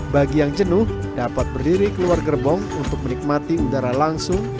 bagi yang jenuh dapat berdiri keluar gerbong untuk menikmati udara langsung